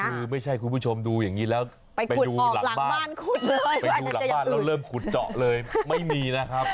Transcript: คือไม่ใช่คุณผู้ชมดูอย่างนี้แล้วไปดูหลังบ้านไปดูหลังบ้านแล้วเริ่มขุดเจาะเลยไม่มีนะครับ